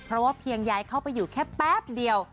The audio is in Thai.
เพราะว่าเพียงย้ายเข้าไปอยู่แค่แป๊บเดียว